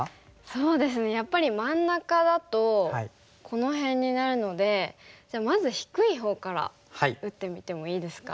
そうですねやっぱり真ん中だとこの辺になるのでじゃあまず低いほうから打ってみてもいいですか？